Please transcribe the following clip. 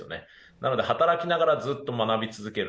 なので働きながらずっと学び続ける。